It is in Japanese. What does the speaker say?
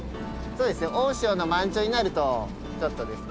そうですね大潮の満潮になるとちょっとですね。